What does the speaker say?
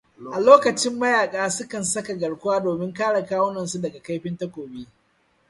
A lokacin mayaka, su kan saka garkuwa domin kare kawunan su daga kaifin takobi.